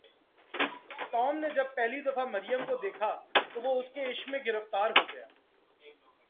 Tom نے جب پہلی دفعہ مریم کو دیکھا تو وہ اس کے عشق میں گرفتار ہو گیا۔